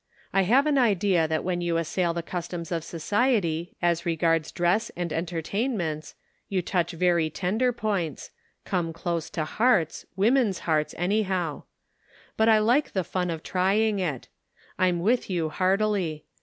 I have an idea that when 110 The Pocket Measure. you assail the customs of society as regards dress aiid entertainments, you touch very tender points — come close to hearts, women's hearts, anyhow. But I like the fun of trying it. I'm with you heartily.